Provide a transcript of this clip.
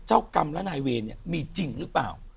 เจ้ากรรมและนายเวรเนี่ยมีจริงหรือเปล่า